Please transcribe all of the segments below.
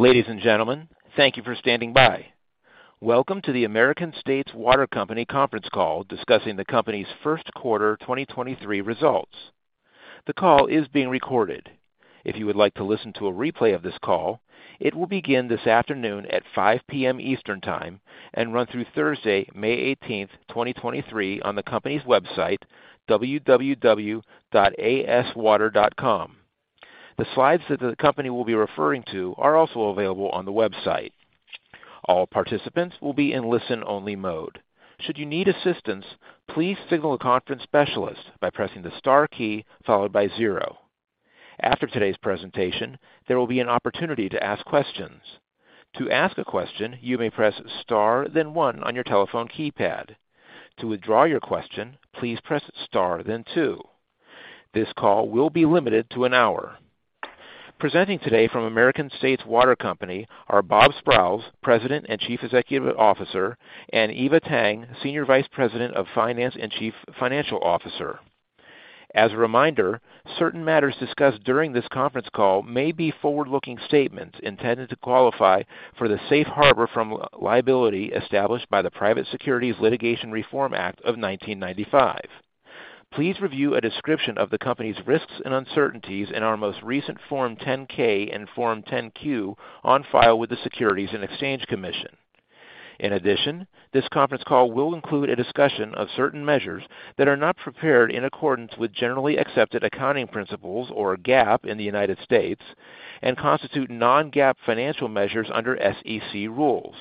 Ladies and gentlemen, thank you for standing by. Welcome to the American States Water Company conference call discussing the company's first quarter 2023 results. The call is being recorded. If you would like to listen to a replay of this call, it will begin this afternoon at 5:00 P.M. Eastern Time and run through Thursday, May 18, 2023, on the company's website, www.aswater.com. The slides that the company will be referring to are also available on the website. All participants will be in listen-only mode. Should you need assistance, please signal a conference specialist by pressing the star key followed by 0. After today's presentation, there will be an opportunity to ask questions. To ask a question, you may press star then 1 on your telephone keypad. To withdraw your question, please press star then 2. This call will be limited to an hour. Presenting today from American States Water Company are Bob Sprowls, President and Chief Executive Officer, and Eva Tang, Senior Vice President of Finance and Chief Financial Officer. As a reminder, certain matters discussed during this conference call may be forward-looking statements intended to qualify for the safe harbor from liability established by the Private Securities Litigation Reform Act of 1995. Please review a description of the company's risks and uncertainties in our most recent Form 10-K and Form 10-Q on file with the Securities and Exchange Commission. In addition, this conference call will include a discussion of certain measures that are not prepared in accordance with Generally Accepted Accounting Principles or GAAP in the United States and constitute non-GAAP financial measures under SEC rules.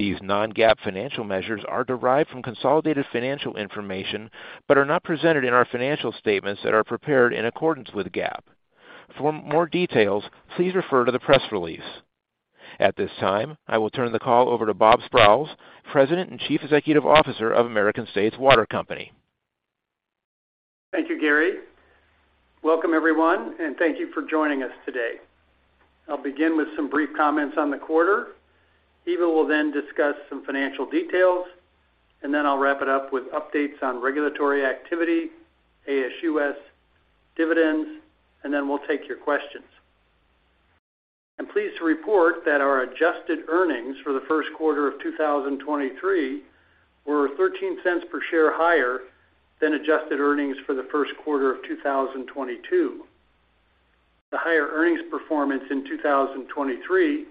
These non-GAAP financial measures are derived from consolidated financial information but are not presented in our financial statements that are prepared in accordance with GAAP. For more details, please refer to the press release. At this time, I will turn the call over to Bob Sprowls, President and Chief Executive Officer of American States Water Company. Thank you, Gary. Welcome, everyone, and thank you for joining us today. I'll begin with some brief comments on the quarter. Eva will then discuss some financial details, and then I'll wrap it up with updates on regulatory activity, ASUS dividends, and then we'll take your questions. I'm pleased to report that our adjusted earnings for the first quarter of 2023 were $0.13 per share higher than adjusted earnings for the first quarter of 2022. The higher earnings performance in 2023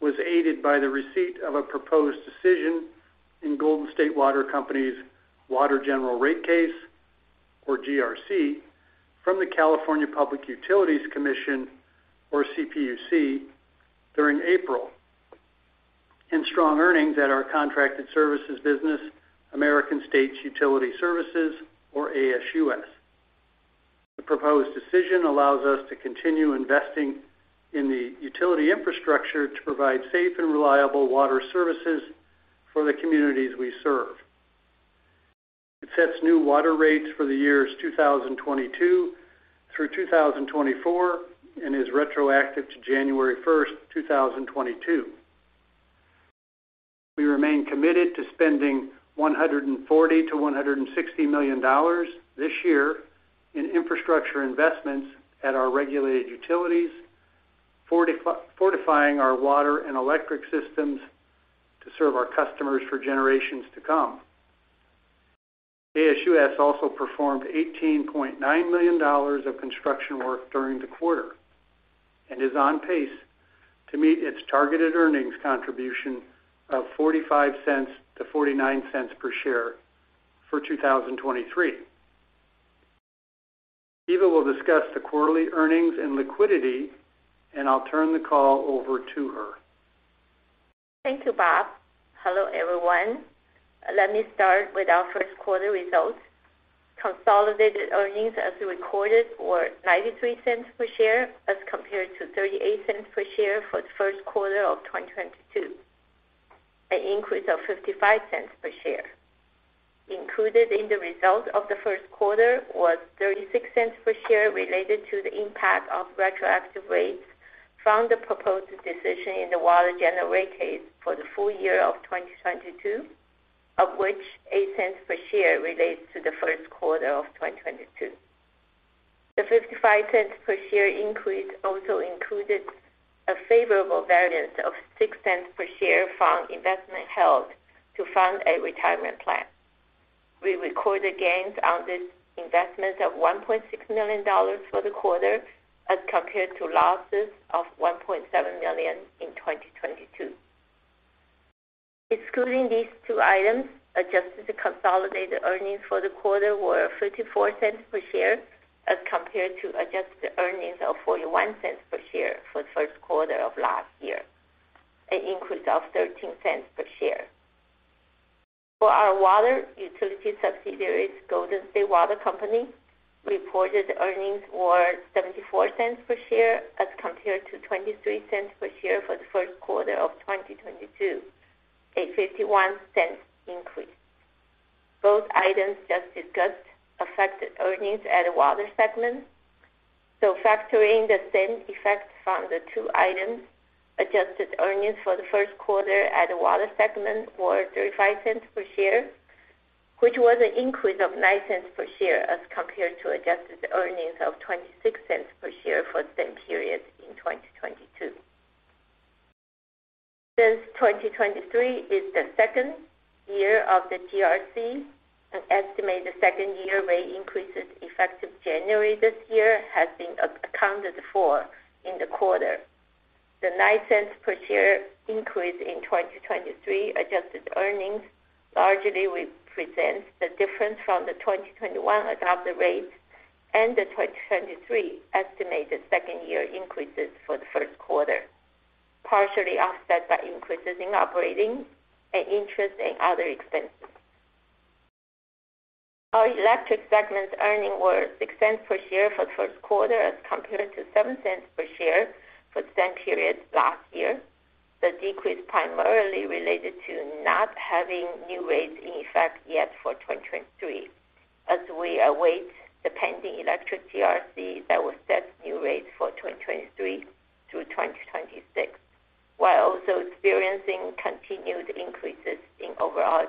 was aided by the receipt of a proposed decision in Golden State Water Company's Water General Rate Case, or GRC, from the California Public Utilities Commission, or CPUC, during April, and strong earnings at our contracted services business, American States Utility Services, or ASUS. The proposed decision allows us to continue investing in the utility infrastructure to provide safe and reliable water services for the communities we serve. It sets new water rates for the years 2022 through 2024 and is retroactive to January 1, 2022. We remain committed to spending $140 million-$160 million this year in infrastructure investments at our regulated utilities, fortifying our water and electric systems to serve our customers for generations to come. ASUS also performed $18.9 million of construction work during the quarter and is on pace to meet its targeted earnings contribution of $0.45-$0.49 per share for 2023. Eva will discuss the quarterly earnings and liquidity, and I'll turn the call over to her. Thank you, Bob. Hello, everyone. Let me start with our first quarter results. Consolidated earnings as recorded were $0.93 per share as compared to $0.38 per share for the first quarter of 2022, an increase of $0.55 per share. Included in the results of the first quarter was $0.36 per share related to the impact of retroactive rates from the proposed decision in the Water General Rate Case for the full year of 2022, of which $0.08 per share relates to the first quarter of 2022. The $0.55 per share increase also included a favorable variance of $0.06 per share from investment held to fund a retirement plan. We recorded gains on these investments of $1.6 million for the quarter as compared to losses of $1.7 million in 2022. Excluding these two items, adjusted consolidated earnings for the quarter were $0.54 per share as compared to adjusted earnings of $0.41 per share for the first quarter of last year, an increase of $0.13 per share. For our water utility subsidiaries, Golden State Water Company reported earnings were $0.74 per share as compared to $0.23 per share for the first quarter of 2022, a $0.51 increase. Both items just discussed affected earnings at the water segment, factoring the same effect from the two items, adjusted earnings for the first quarter at the water segment were $0.35 per share. Which was an increase of $0.09 per share as compared to adjusted earnings of $0.26 per share for the same period in 2022. Since 2023 is the second year of the GRC, an estimated second-year rate increases effective January this year has been accounted for in the quarter. The $0.09 per share increase in 2023 adjusted earnings largely represents the difference from the 2021 adopted rates and the 2023 estimated second-year increases for the first quarter, partially offset by increases in operating and interest and other expenses. Our electric segment earnings were $0.06 per share for the first quarter as compared to $0.07 per share for the same period last year. The decrease primarily related to not having new rates in effect yet for 2023, as we await the pending electric GRC that will set new rates for 2023 through 2026, while also experiencing continued increases in overall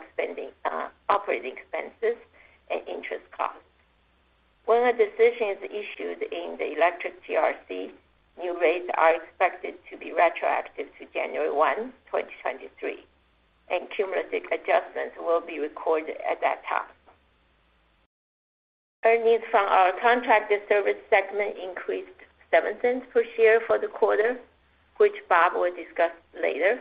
operating expenses and interest costs. When a decision is issued in the electric GRC, new rates are expected to be retroactive to January 1, 2023. Cumulative adjustments will be recorded at that time. Earnings from our contracted service segment increased $0.07 per share for the quarter, which Bob will discuss later.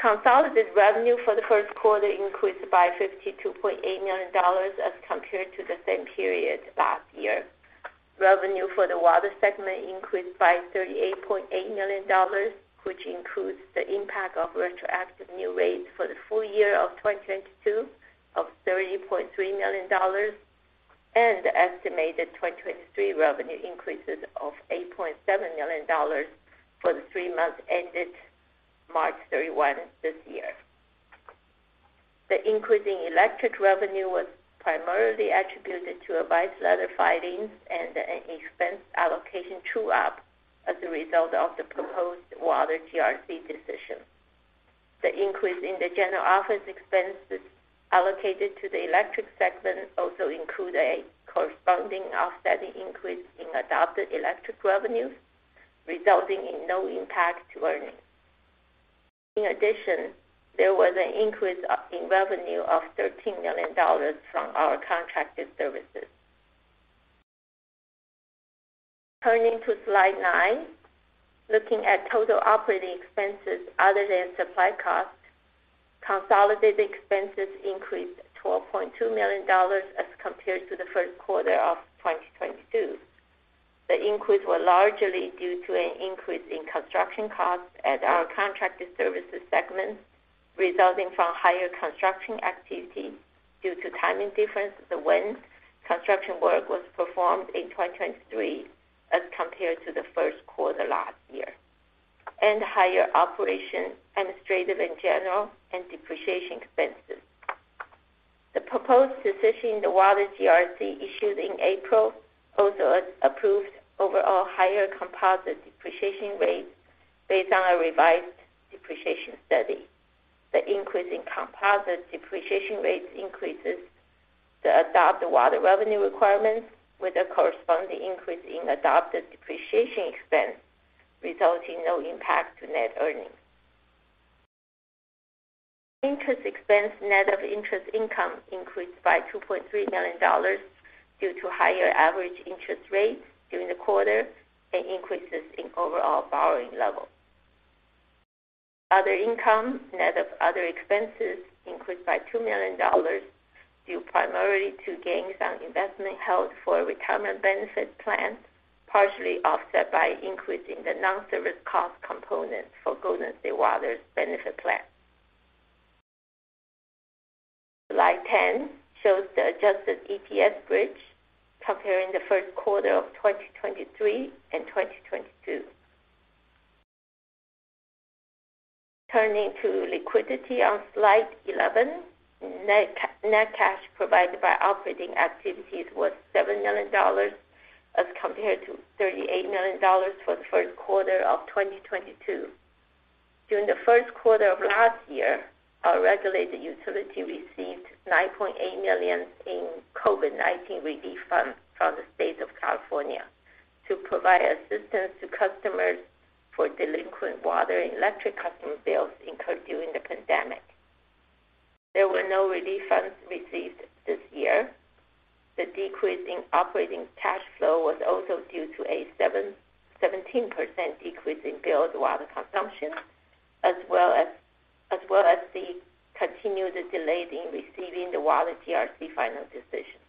Consolidated revenue for the first quarter increased by $52.8 million as compared to the same period last year. Revenue for the water segment increased by $38.8 million, which includes the impact of retroactive new rates for the full year of 2022 of $30.3 million. The estimated 2023 revenue increases of $8.7 million for the three months ended March 31 this year. The increase in electric revenue was primarily attributed to advice letter filings and an expense allocation true-up as a result of the proposed water GRC decision. The increase in the general office expenses allocated to the electric segment also include a corresponding offsetting increase in adopted electric revenues, resulting in no impact to earnings. In addition, there was an increase in revenue of $13 million from our contracted services. Turning to slide nine. Looking at total operating expenses other than supply costs, consolidated expenses increased $12.2 million as compared to the first quarter of 2022. The increase was largely due to an increase in construction costs at our contracted services segment, resulting from higher construction activity due to timing differences when construction work was performed in 2023 as compared to the first quarter last year, and higher operation, administrative, and general and depreciation expenses. The proposed decision the Water GRC issued in April also approved overall higher composite depreciation rates based on a revised depreciation study. The increase in composite depreciation rates increases the adopted water revenue requirements with a corresponding increase in adopted depreciation expense, resulting no impact to net earnings. Interest expense, net of interest income, increased by $2.3 million due to higher average interest rates during the quarter and increases in overall borrowing levels. Other income, net of other expenses, increased by $2 million, due primarily to gains on investment held for retirement benefit plans, partially offset by increasing the non-service cost component for Golden State Water's benefit plan. Slide 10 shows the adjusted EPS bridge comparing the first quarter of 2023 and 2022. Turning to liquidity on slide 11. Net cash provided by operating activities was $7 million as compared to $38 million for the first quarter of 2022. During the first quarter of last year, our regulated utility received $9.8 million in COVID-19 relief funds from the state of California to provide assistance to customers for delinquent water and electric customer bills incurred during the pandemic. There were no relief funds received this year. The decrease in operating cash flow was also due to a 17% decrease in billed water consumption, as well as the continued delays in receiving the water GRC final decision.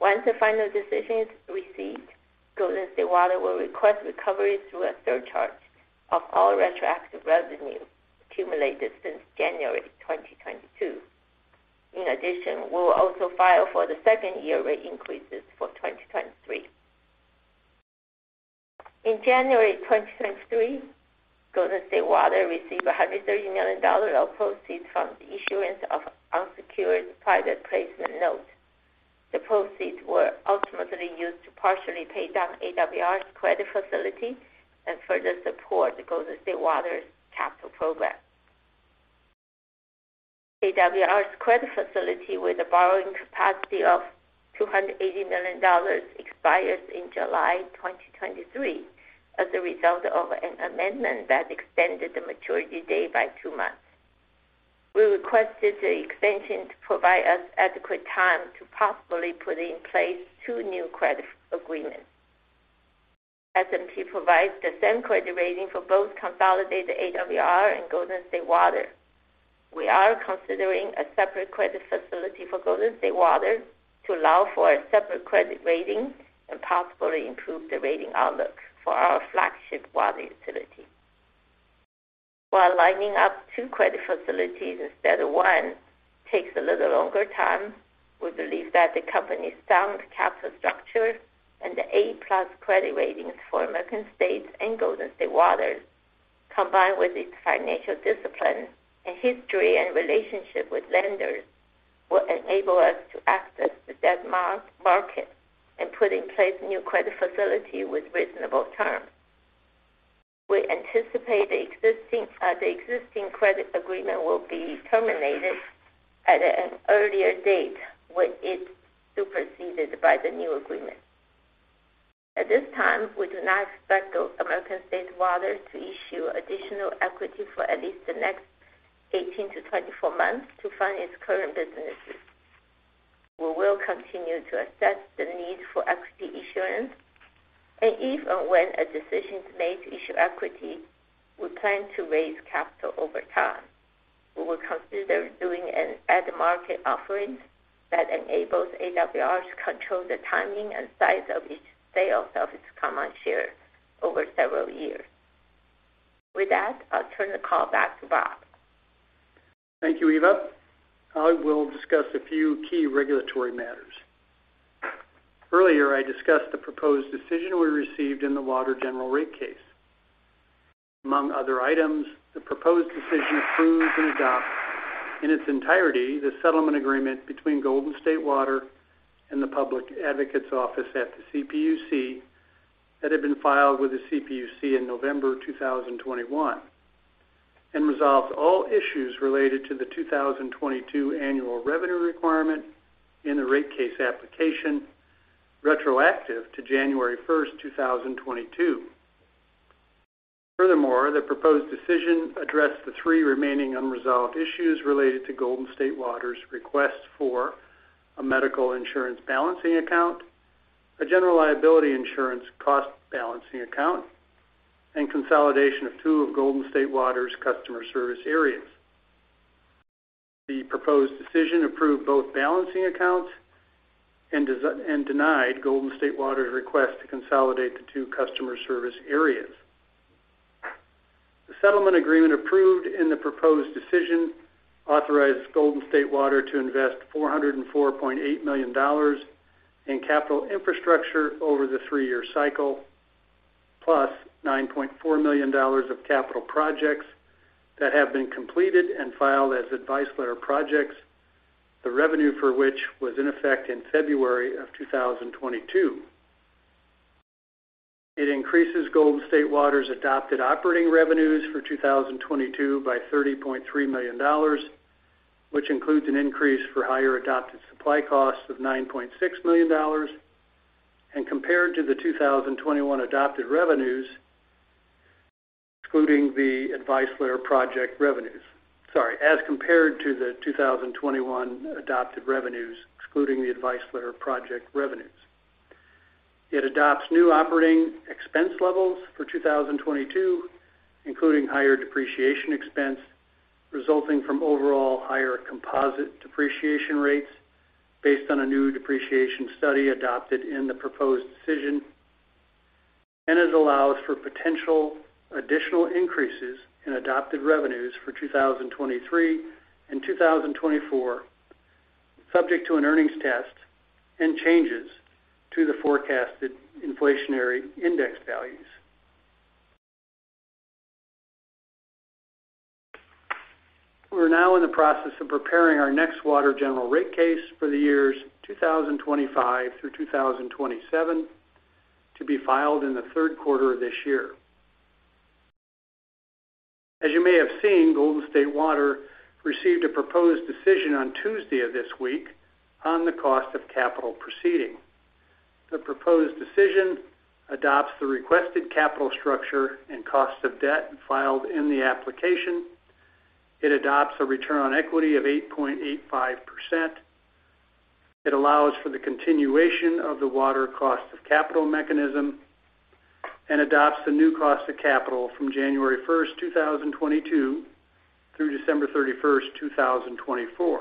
Once the final decision is received, Golden State Water will request recovery through a surcharge of all retroactive revenue accumulated since January 2022. In addition, we'll also file for the second-year rate increases for 2023. In January 2023, Golden State Water received $130 million of proceeds from the issuance of unsecured private placement notes. The proceeds were ultimately used to partially pay down AWR's credit facility and further support Golden State Water's capital program. AWR's credit facility with a borrowing capacity of $280 million expires in July 2023 as a result of an amendment that extended the maturity date by two months. We requested the extension to provide us adequate time to possibly put in place two new credit agreements. S&P provides the same credit rating for both consolidated AWR and Golden State Water. We are considering a separate credit facility for Golden State Water to allow for a separate credit rating and possibly improve the rating outlook for our flagship water utility. While lining up 2 credit facilities instead of 1 takes a little longer time, we believe that the company's sound capital structure and the A-plus credit ratings for American States and Golden State Water, combined with its financial discipline and history and relationship with lenders, will enable us to access the debt market and put in place new credit facility with reasonable terms. We anticipate the existing credit agreement will be terminated at an earlier date when it's superseded by the new agreement. At this time, we do not expect American States Water Company to issue additional equity for at least the next 18-24 months to fund its current businesses. We will continue to assess the need for equity issuance, and even when a decision is made to issue equity, we plan to raise capital over time. We will consider doing an At-the-Market offerings that enables AWR to control the timing and size of each sale of its common shares over several years. With that, I'll turn the call back to Bob. Thank you, Eva. I will discuss a few key regulatory matters. Earlier, I discussed the proposed decision we received in the Water General Rate Case. Among other items, the proposed decision approves and adopts in its entirety the settlement agreement between Golden State Water and the Public Advocates Office at the CPUC that had been filed with the CPUC in November 2021, and resolves all issues related to the 2022 annual revenue requirement in the rate case application, retroactive to January 1, 2022. Furthermore, the proposed decision addressed the three remaining unresolved issues related to Golden State Water's request for a medical insurance balancing account, a general liability insurance cost balancing account, and consolidation of two of Golden State Water's customer service areas. The proposed decision approved both balancing accounts and denied Golden State Water's request to consolidate the two customer service areas. The settlement agreement approved in the proposed decision authorizes Golden State Water to invest $404.8 million in capital infrastructure over the three-year cycle, plus $9.4 million of capital projects that have been completed and filed as advice letter projects, the revenue for which was in effect in February of 2022. It increases Golden State Water's adopted operating revenues for 2022 by $30.3 million, which includes an increase for higher adopted supply costs of $9.6 million, and compared to the 2021 adopted revenues, excluding the advice letter project revenues. Sorry. As compared to the 2021 adopted revenues, excluding the advice letter project revenues. It adopts new operating expense levels for 2022, including higher depreciation expense resulting from overall higher composite depreciation rates based on a new depreciation study adopted in the proposed decision. It allows for potential additional increases in adopted revenues for 2023 and 2024, subject to an earnings test and changes to the forecasted inflationary index values. We're now in the process of preparing our next Water General Rate Case for the years 2025 through 2027, to be filed in the 3rd quarter of this year. As you may have seen, Golden State Water received a proposed decision on Tuesday of this week on the Cost of Capital proceeding. The proposed decision adopts the requested capital structure and cost of debt filed in the application. It adopts a Return on Equity of 8.85%. It allows for the continuation of the Water Cost of Capital Mechanism and adopts the new cost of capital from January 1st, 2022 through December 31st, 2024.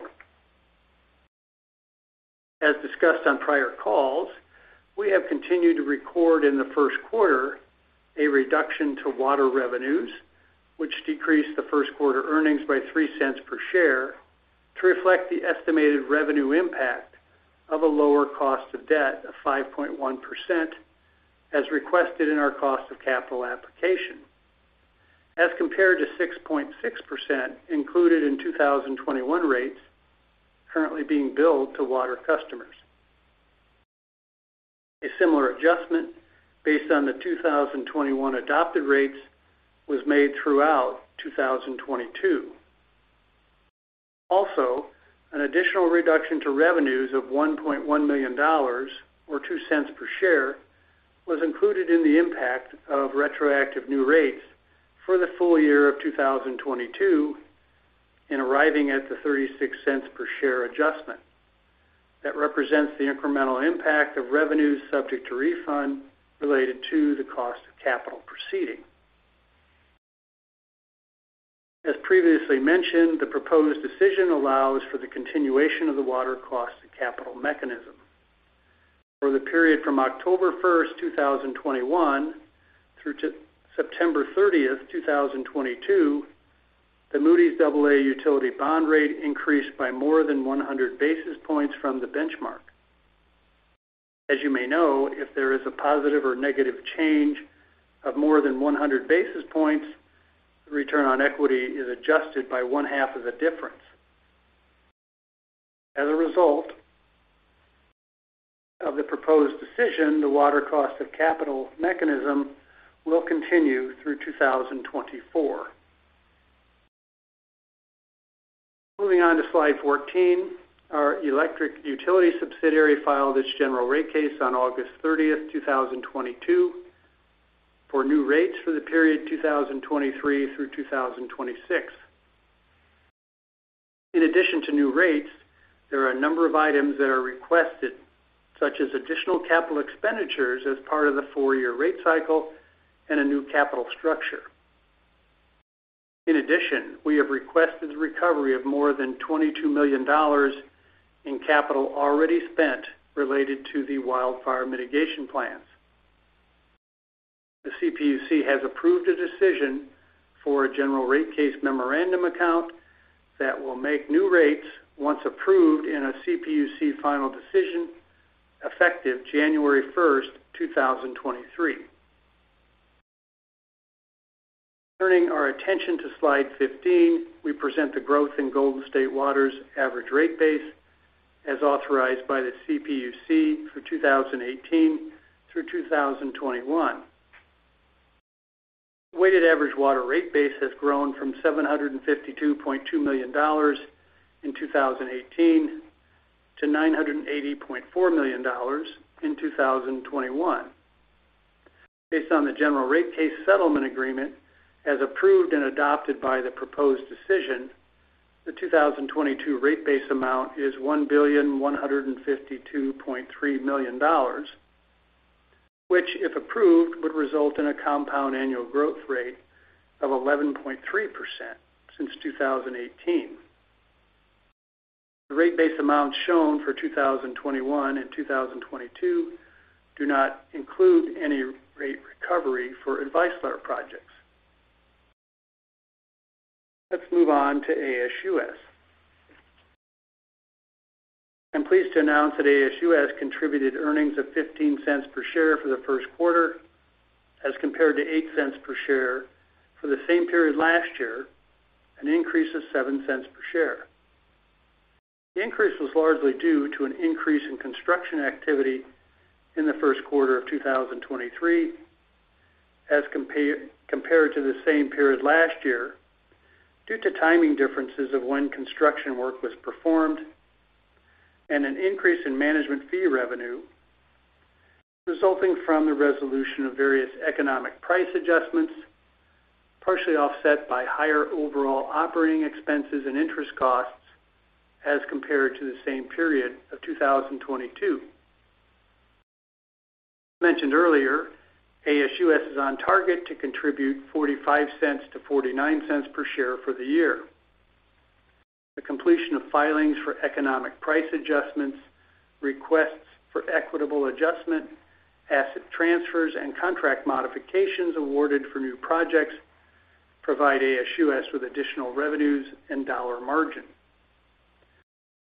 Discussed on prior calls, we have continued to record in the first quarter a reduction to water revenues, which decreased the first quarter earnings by $0.03 per share to reflect the estimated revenue impact of a lower cost of debt of 5.1%, as requested in our Cost of Capital application. As compared to 6.6% included in 2021 rates currently being billed to water customers. A similar adjustment based on the 2021 adopted rates was made throughout 2022. An additional reduction to revenues of $1.1 million or $0.02 per share was included in the impact of retroactive new rates for the full year of 2022 in arriving at the $0.36 per share adjustment. That represents the incremental impact of revenues subject to refund related to the Cost of Capital proceeding. As previously mentioned, the proposed decision allows for the continuation of the water Cost of Capital Mechanism. For the period from October 1st, 2021 through to September 30th, 2022, the Moody's Aa utility bond rate increased by more than 100 basis points from the benchmark. As you may know, if there is a positive or negative change of more than 100 basis points, the return on equity is adjusted by one-half of the difference. As a result of the proposed decision, the water Cost of Capital Mechanism will continue through 2024. Moving on to slide 14, our electric utility subsidiary filed its general rate case on August 30th, 2022 for new rates for the period 2023 through 2026. In addition to new rates, there are a number of items that are requested, such as additional capital expenditures as part of the four-year rate cycle and a new capital structure. In addition, we have requested the recovery of more than $22 million in capital already spent related to the Wildfire Mitigation Plans. The CPUC has approved a decision for a General Rate Case Memorandum Account that will make new rates once approved in a CPUC final decision effective January 1st, 2023. Turning our attention to slide 15, we present the growth in Golden State Water's average rate base as authorized by the CPUC for 2018 through 2021. Weighted average water rate base has grown from $752.2 million in 2018 to $980.4 million in 2021. Based on the General Rate Case settlement agreement as approved and adopted by the proposed decision, the 2022 rate base amount is $1,152.3 million, which, if approved, would result in a compound annual growth rate of 11.3% since 2018. The rate base amounts shown for 2021 and 2022 do not include any rate recovery for advice letter projects. Let's move on to ASUS. I'm pleased to announce that ASUS contributed earnings of $0.15 per share for the first quarter as compared to $0.08 per share for the same period last year, an increase of $0.07 per share. The increase was largely due to an increase in construction activity in the first quarter of 2023 as compared to the same period last year due to timing differences of when construction work was performed and an increase in management fee revenue resulting from the resolution of various Economic Price Adjustments, partially offset by higher overall operating expenses and interest costs as compared to the same period of 2022. As mentioned earlier, ASUS is on target to contribute $0.45-$0.49 per share for the year. The completion of filings for economic price adjustments, requests for equitable adjustment, asset transfers, and contract modifications awarded for new projects provide ASUS with additional revenues and dollar margin.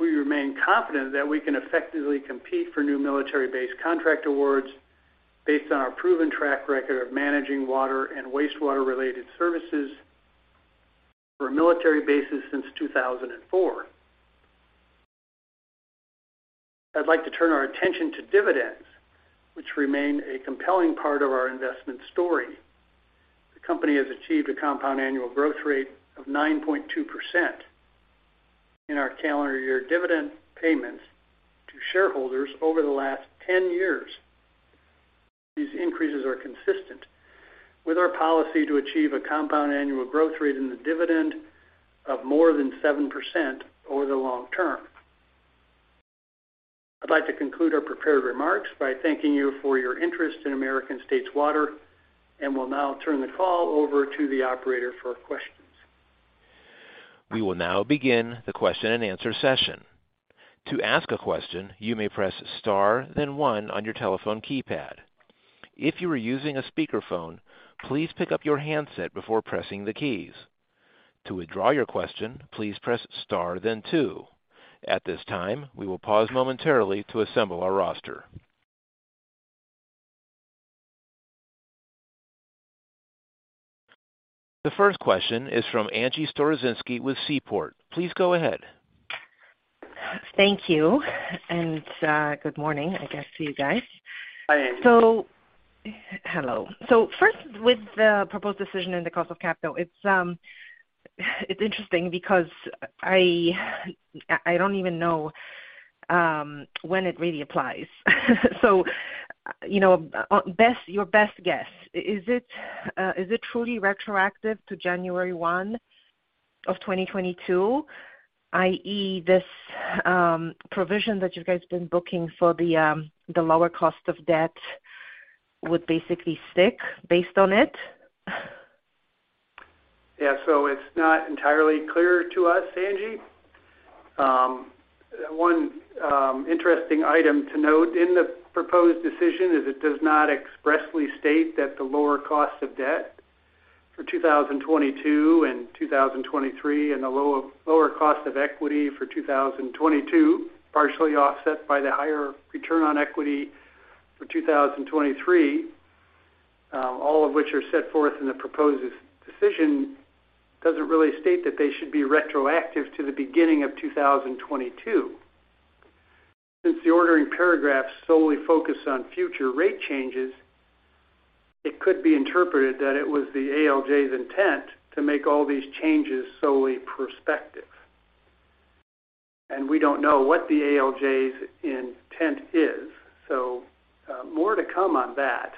We remain confident that we can effectively compete for new military-based contract awards based on our proven track record of managing water and wastewater-related services for military bases since 2004. I'd like to turn our attention to dividends, which remain a compelling part of our investment story. The company has achieved a compound annual growth rate of 9.2% in our calendar year dividend payments to shareholders over the last 10 years. These increases are consistent with our policy to achieve a compound annual growth rate in the dividend of more than 7% over the long term. I'd like to conclude our prepared remarks by thanking you for your interest in American States Water, and will now turn the call over to the operator for questions. We will now begin the question-and-answer session. To ask a question, you may press star then 1 on your telephone keypad. If you are using a speakerphone, please pick up your handset before pressing the keys. To withdraw your question, please press star then 2. At this time, we will pause momentarily to assemble our roster. The first question is from Angie Storozynski with Seaport. Please go ahead. Thank you. Good morning, I guess, to you guys. Hi, Angie. Hello. First with the proposed decision in the Cost of Capital. It's interesting because I don't even know when it really applies. You know, your best guess, is it truly retroactive to January 1, 2022, i.e., this provision that you guys have been booking for the lower cost of debt would basically stick based on it? Yeah. It's not entirely clear to us, Angie. One interesting item to note in the proposed decision is it does not expressly state that the lower cost of debt for 2022 and 2023, and the lower cost of equity for 2022, partially offset by the higher return on equity for 2023, all of which are set forth in the proposed decision, doesn't really state that they should be retroactive to the beginning of 2022. Since the ordering paragraphs solely focus on future rate changes, it could be interpreted that it was the ALJ's intent to make all these changes solely prospective. We don't know what the ALJ's intent is, so more to come on that.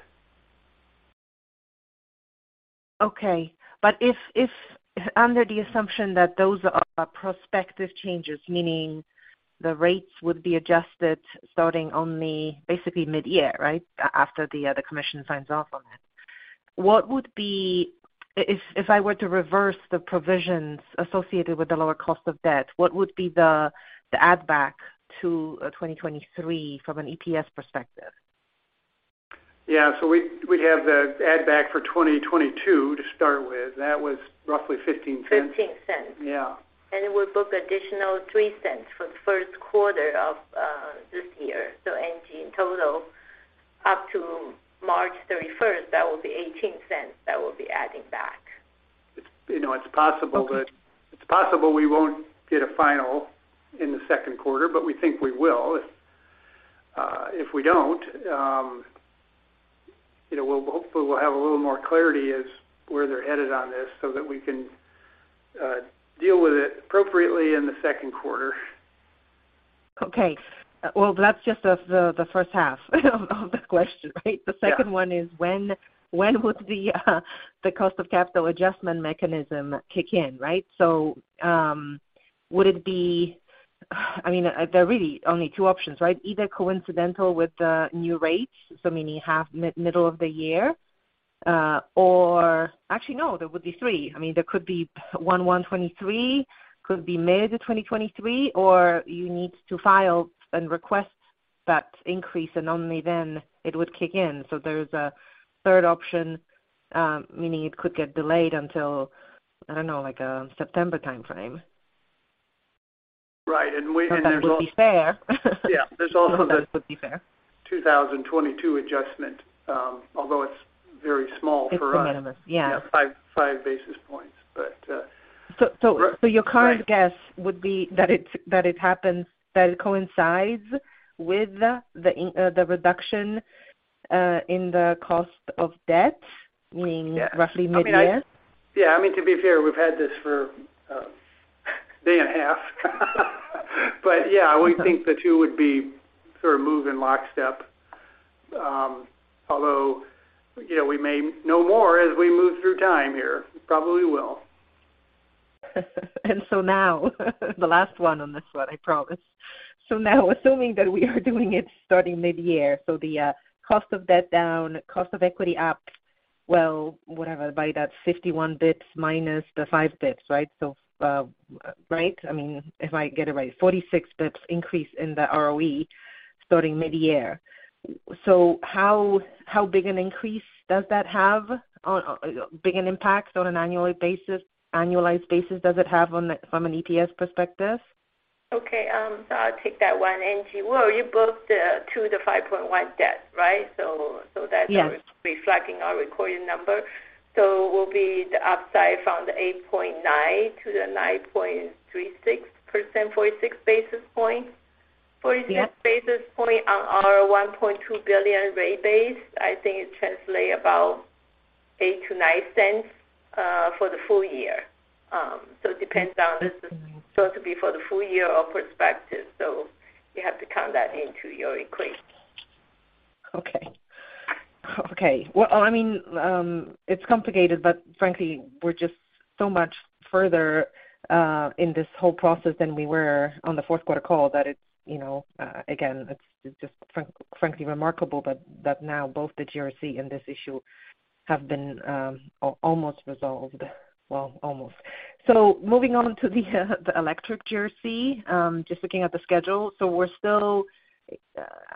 Okay. If under the assumption that those are prospective changes, meaning the rates would be adjusted starting only basically mid-year, right? After the commission signs off on it, if I were to reverse the provisions associated with the lower cost of debt, what would be the add back to 2023 from an EPS perspective? Yeah. we'd have the add back for 2022 to start with. That was roughly $0.15. $0.15. Yeah. We book additional $0.03 for the first quarter of this year. Angie, in total, up to March 31st, that will be $0.18 that we'll be adding back. It's- You know, it's possible. Okay. It's possible we won't get a final in the second quarter, but we think we will. If we don't, you know, we'll hopefully will have a little more clarity as where they're headed on this so that we can deal with it appropriately in the second quarter. Okay. Well, that's just the first half of the question, right? Yeah. The second one is when would the Cost of Capital adjustment mechanism kick in, right? Would it be. I mean, there are really only two options, right? Either coincidental with the new rates, so meaning mid-middle of the year, or. Actually, no, there would be three. I mean, there could be 1/1/2023, could be mid-2023, or you need to file and request that increase, and only then it would kick in. There's a third option, meaning it could get delayed until, I don't know, like a September timeframe. Right. If that would be fair. Yeah. There's also. None of this would be fair. 2022 adjustment, although it's very small for us. It's de minimis. Yeah. Yeah, 5 basis points. So, so- Right Your current guess would be that it happens, that coincides with the reduction in the cost of debt. Yeah roughly mid-year? I mean, Yeah. I mean, to be fair, we've had this for a day and a half. Yeah, we think the two would be sort of move in lockstep. You know, we may know more as we move through time here. Probably will. Now the last one on this one, I promise. Now assuming that we are doing it starting mid-year, so the cost of debt down, cost of equity up, well, whatever, by that 51 basis points minus the 5 basis points, right? Right? I mean, if I get it right, 46 basis points increase in the ROE starting mid-year. How big an increase does that have on annualized basis does it have on the from an EPS perspective? I'll take that one, Angie. You booked the 2%-5.1% debt, right? Yes reflecting our recorded number. It will be the upside from the 8.9 to the 9.36%, 46 basis points. Yeah. 46 basis points on our $1.2 billion rate base, I think it translates about $0.08-$0.09, for the full year. Mm-hmm. It could be for the full year or perspective. You have to count that into your equation. Okay. Okay. Well, I mean, it's complicated, but frankly, we're just so much further in this whole process than we were on the fourth quarter call that it's, you know, again, it's just frankly remarkable that now both the GRC and this issue have been almost resolved. Well, almost. Moving on to the electric GRC. Just looking at the schedule. We're still,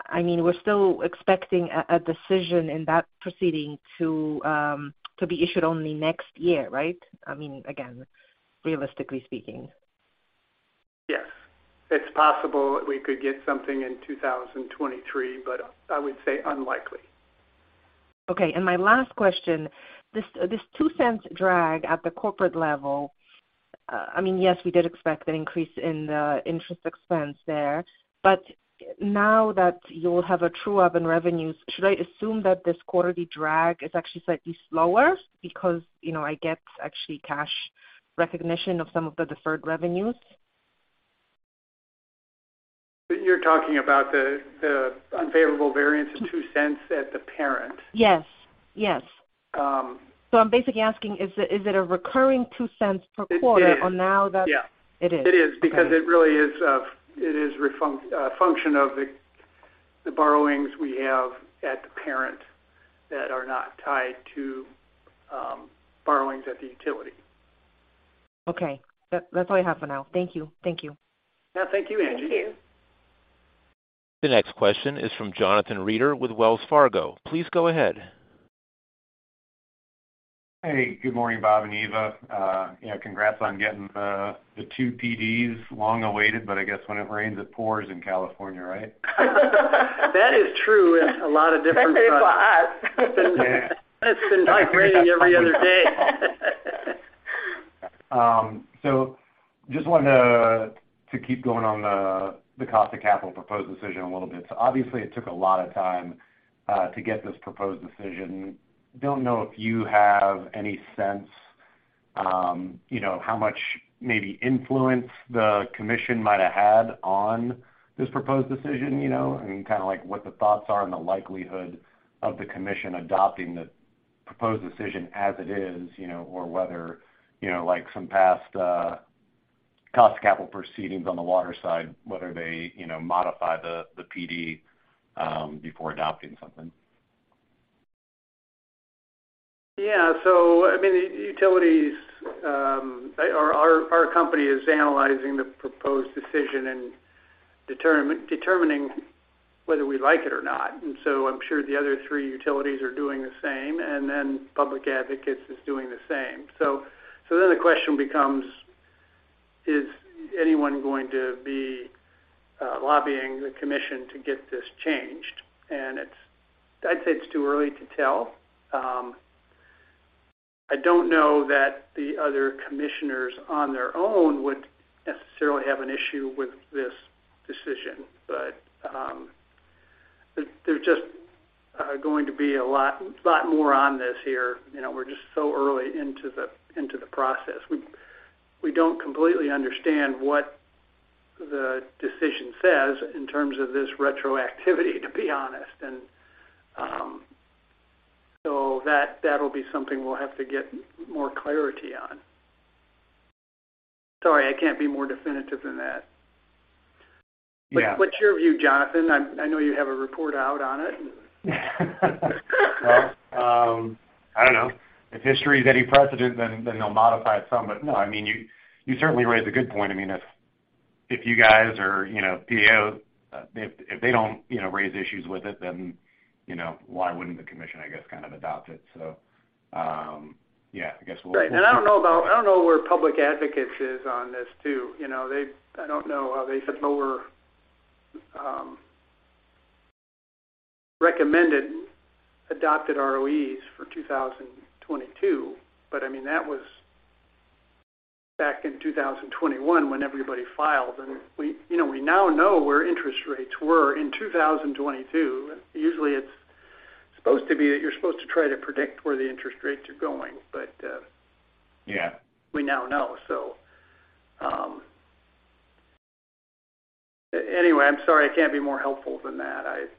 I mean, we're still expecting a decision in that proceeding to be issued only next year, right? I mean, again, realistically speaking. Yes, it's possible we could get something in 2023, but I would say unlikely. Okay. My last question, this $0.02 drag at the corporate level, I mean, yes, we did expect an increase in the interest expense there. Now that you'll have a true up in revenues, should I assume that this quarterly drag is actually slightly slower because, you know, I get actually cash recognition of some of the deferred revenues? You're talking about the unfavorable variance of $0.02 at the parent? Yes. Yes. Um- I'm basically asking, is it a recurring $0.02 per quarter? It is. Or now that- Yeah. It is. It is. Okay. it really is a function of the borrowings we have at the parent that are not tied to borrowings at the utility. Okay. That's all I have for now. Thank you. Thank you. Yeah. Thank you, Angie. Thank you. The next question is from Jonathan Reeder with Wells Fargo. Please go ahead. Hey, good morning, Bob and Eva. You know, congrats on getting the two PDs long awaited, but I guess when it rains, it pours in California, right? That is true in a lot of different fronts. Especially for us. Yeah. It's been like raining every other day. Just wanted to keep going on the Cost of Capital Proposed Decision a little bit. Obviously it took a lot of time to get this Proposed Decision. Don't know if you have any sense, you know, how much maybe influence the Commission might have had on this Proposed Decision, you know, and kind of like what the thoughts are on the likelihood of the Commission adopting the Proposed Decision as it is, you know, or whether, you know, like some past Cost of Capital proceedings on the water side, whether they, you know, modify the PD before adopting something. Yeah. I mean, the utilities, our company is analyzing the proposed decision and determining whether we like it or not. I'm sure the other three utilities are doing the same, Public Advocates is doing the same. The question becomes, is anyone going to be lobbying the Commission to get this changed? I'd say it's too early to tell. I don't know that the other Commissioners on their own would necessarily have an issue with this decision. There's just going to be a lot more on this here. You know, we're just so early into the process. We don't completely understand what the decision says in terms of this retroactivity, to be honest. That'll be something we'll have to get more clarity on. Sorry, I can't be more definitive than that. Yeah. What's your view, Jonathan? I know you have a report out on it. I don't know. If history is any precedent, then they'll modify it some. No, I mean, you certainly raise a good point. I mean, if you guys or, you know, PA, if they don't, you know, raise issues with it, then, you know, why wouldn't the commission, I guess, kind of adopt it? Yeah, I guess we'll. Right. I don't know about, I don't know where Public Advocates is on this too. You know, I don't know how they said lower, recommended adopted ROEs for 2022. I mean, that was back in 2021 when everybody filed. We, you know, we now know where interest rates were in 2022. Usually, it's supposed to be that you're supposed to try to predict where the interest rates are going. Yeah we now know. Anyway, I'm sorry I can't be more helpful than that. If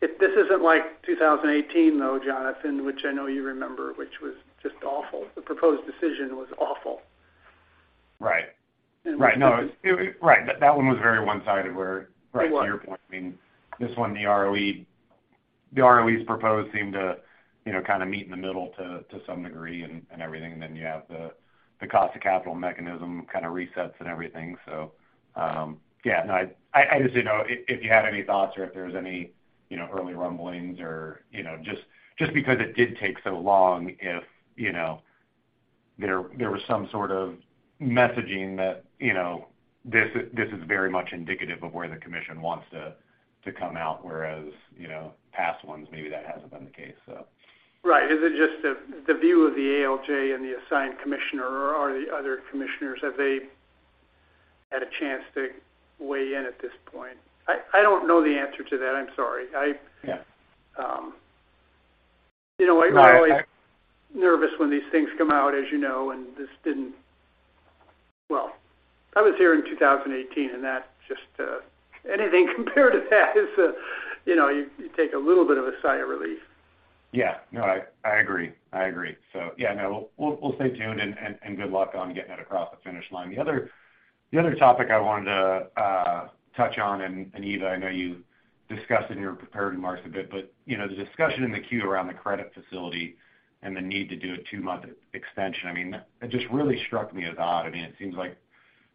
this isn't like 2018, though, Jonathan, which I know you remember, which was just awful. The proposed decision was awful. Right. No. Right. That one was very one-sided where. It was. Right to your point. I mean, this one, the ROE, the ROEs proposed seem to, you know, kind of meet in the middle to some degree and everything, and then you have the Cost of Capital Mechanism kind of resets and everything. Yeah. No, I just, you know, if you had any thoughts or if there's any, you know, early rumblings or, you know, just because it did take so long if, you know, there was some sort of messaging that, you know, this is very much indicative of where the commission wants to come out, whereas, you know, past ones, maybe that hasn't been the case, so. Right. Is it just the view of the ALJ and the assigned commissioner, or are the other commissioners, have they had a chance to weigh in at this point? I don't know the answer to that. I'm sorry. Yeah. You know, I'm always nervous when these things come out, as you know, and this didn't. I was here in 2018, and that just, anything compared to that is, you know, you take a little bit of a sigh of relief. No, I agree. I agree. No, we'll stay tuned and good luck on getting that across the finish line. The other topic I wanted to touch on, and Eva, I know you discussed in your prepared remarks a bit, but, you know, the discussion in the queue around the credit facility and the need to do a 2-month extension, I mean, that just really struck me as odd. I mean, it seems like,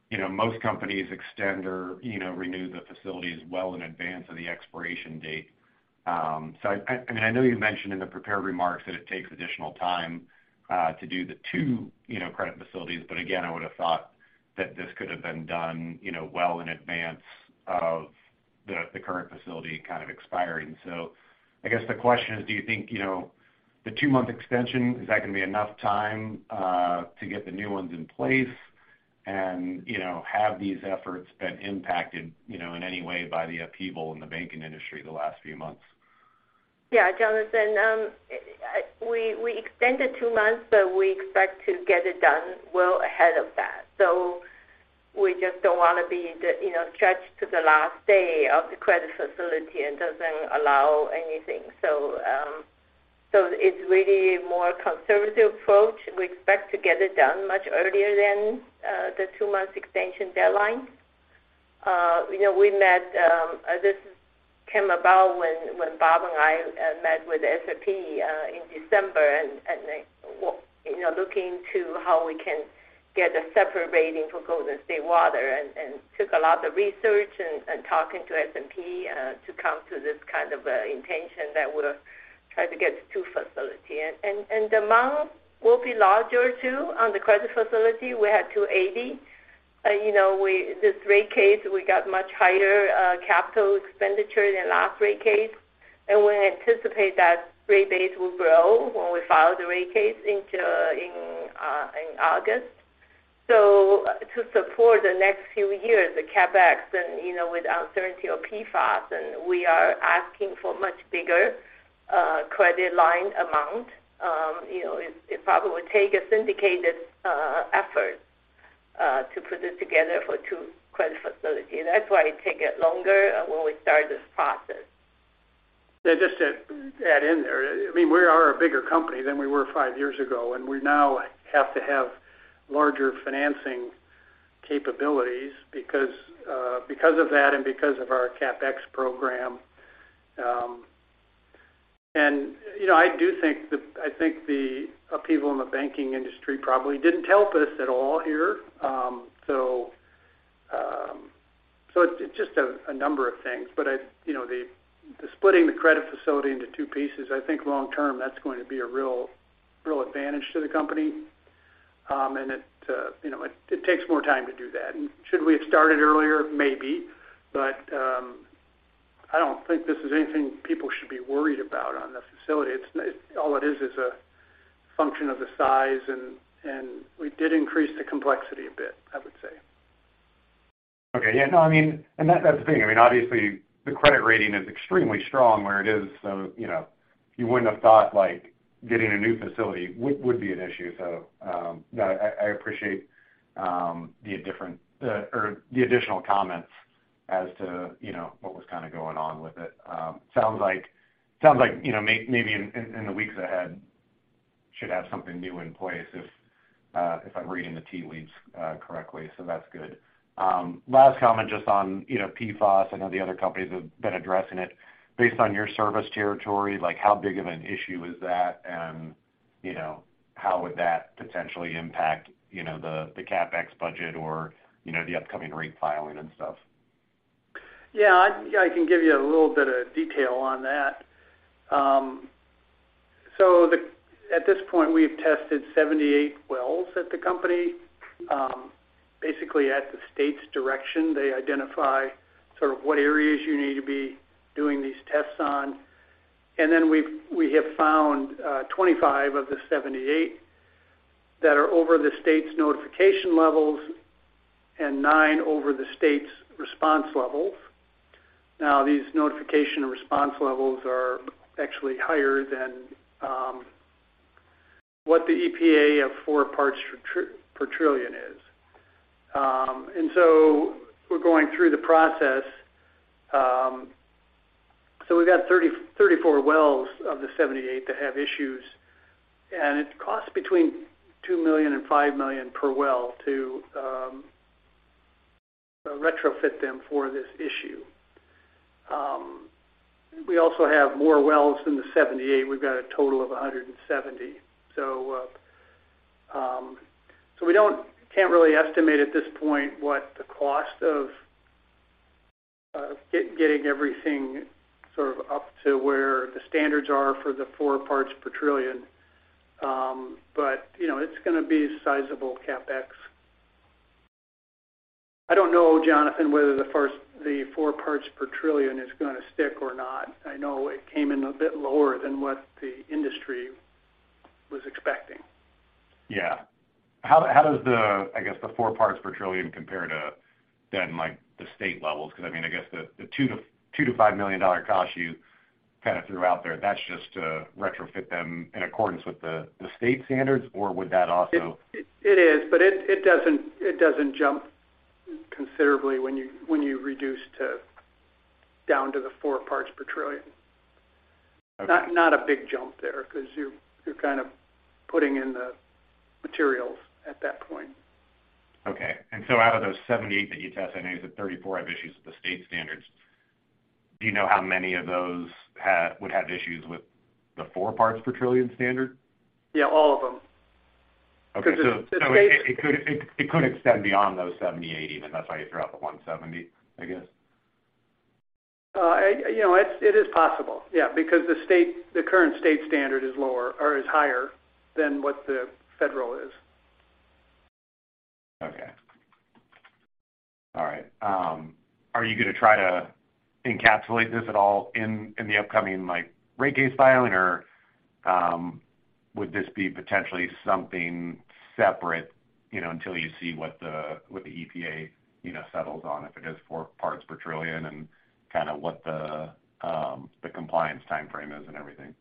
you know, most companies extend or, you know, renew the facilities well in advance of the expiration date. I mean, I know you mentioned in the prepared remarks that it takes additional time, to do the 2, you know, credit facilities, but again, I would've thought that this could have been done, you know, well in advance of the current facility kind of expiring. I guess the question is, do you think, you know, the 2-month extension, is that gonna be enough time, to get the new ones in place and, you know, have these efforts been impacted, you know, in any way by the upheaval in the banking industry the last few months? Jonathan, you know, we extended 2 months, but we expect to get it done well ahead of that. We just don't wanna be the, you know, stretched to the last day of the credit facility and doesn't allow anything. It's really more conservative approach. We expect to get it done much earlier than the 2-months extension deadline. You know, we met, this came about when Bob and I met with S&P in December and like, you know, looking to how we can get a separate rating for Golden State Water and took a lot of research and talking to S&P to come to this kind of intention that we're trying to get 2 facility. The amount will be larger too on the credit facility. We had $280. You know, this rate case, we got much higher capital expenditure than last rate case, and we anticipate that rate base will grow when we file the rate case in August. To support the next few years, the CapEx and, you know, with uncertainty of PFAS, and we are asking for much bigger credit line amount. You know, it probably take a syndicated effort to put this together for 2 credit facility. That's why it take it longer when we start this process. Just to add in there. I mean, we are a bigger company than we were 5 years ago, and we now have to have larger financing capabilities because of that and because of our CapEx program. You know, I do think the upheaval in the banking industry probably didn't help us at all here. It's just a number of things, but I, you know, the splitting the credit facility into 2 pieces, I think long term, that's going to be a real advantage to the company. It, you know, it takes more time to do that. Should we have started earlier? Maybe. I don't think this is anything people should be worried about on the facility. All it is is a function of the size and we did increase the complexity a bit, I would say. Okay. Yeah, no, I mean, that's the thing. I mean, obviously, the credit rating is extremely strong where it is, you know, you wouldn't have thought like getting a new facility would be an issue. No, I appreciate the additional comments as to, you know, what was kinda going on with it. Sounds like, you know, maybe in the weeks ahead should have something new in place if I'm reading the tea leaves correctly, that's good. Last comment just on, you know, PFAS. I know the other companies have been addressing it. Based on your service territory, like how big of an issue is that? You know, how would that potentially impact, you know, the CapEx budget or, you know, the upcoming rate filing and stuff? I can give you a little bit of detail on that. At this point, we've tested 78 wells at the company. Basically at the state's direction, they identify sort of what areas you need to be doing these tests on. We have found 25 of the 78 that are over the state's notification levels and 9 over the state's response levels. Now, these notification and response levels are actually higher than what the EPA of 4 parts per trillion is. We're going through the process. We've got 34 wells of the 78 that have issues, and it costs between $2 million and $5 million per well to retrofit them for this issue. We also have more wells than the 78. We've got a total of 170. We can't really estimate at this point what the cost of getting everything sort of up to where the standards are for the 4 parts per trillion. You know, it's gonna be sizable CapEx. I don't know, Jonathan, whether the 4 parts per trillion is gonna stick or not. I know it came in a bit lower than what the industry was expecting. Yeah. How does the, I guess the 4 parts per trillion compare to then like the state levels? 'Cause, I mean, I guess the $2 million-$5 million cost you kind of threw out there, that's just to retrofit them in accordance with the state standards, or would that also- It is, but it doesn't jump considerably when you reduce down to the 4 parts per trillion. Okay. Not a big jump there 'cause you're kind of putting in the materials at that point. Okay. Out of those 78 that you tested, I know you said 34 have issues with the state standards. Do you know how many of those would have issues with the 4 parts per trillion standard? Yeah, all of them. Okay. 'Cause. It could extend beyond those 78 even. That's why you threw out the 170, I guess. You know, it is possible, yeah. Because the state, the current state standard is lower, or is higher than what the Federal is. Okay. All right. Are you gonna try to encapsulate this at all in the upcoming like rate case filing or, would this be potentially something separate, you know, until you see what the, what the EPA, you know, settles on, if it is 4 parts per trillion and kind of what the compliance timeframe is and everything?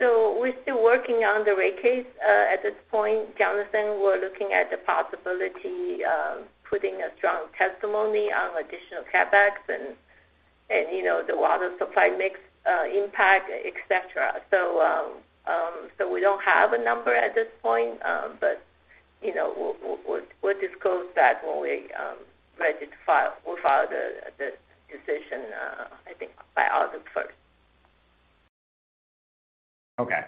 We're still working on the rate case. At this point, Jonathan, we're looking at the possibility of putting a strong testimony on additional CapEx and, you know, the water supply mix, impact, et cetera. We don't have a number at this point, but, you know, we'll disclose that when we ready to file. We'll file the decision, I think by August first. Okay.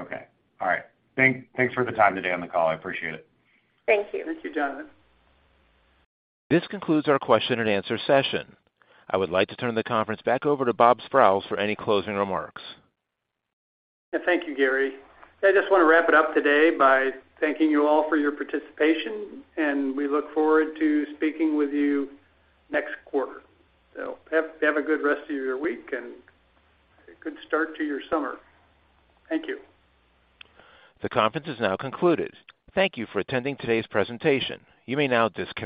Okay. All right. Thanks for the time today on the call. I appreciate it. Thank you. Thank you, Jonathan. This concludes our question and answer session. I would like to turn the conference back over to Bob Sprowls for any closing remarks. Yeah. Thank you, Gary. I just wanna wrap it up today by thanking you all for your participation, and we look forward to speaking with you next quarter. Have a good rest of your week and a good start to your summer. Thank you. The conference is now concluded. Thank you for attending today's presentation. You may now disconnect.